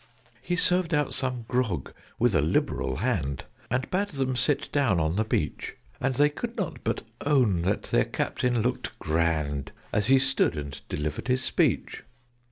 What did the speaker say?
He served out some grog with a liberal hand, And bade them sit down on the beach: And they could not but own that their Captain looked grand, As he stood and delivered his speech.